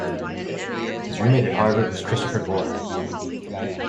His roommate at Harvard was Christopher Gore.